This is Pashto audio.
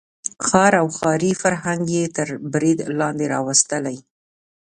ښار او ښاري فرهنګ یې تر برید لاندې راوستلی.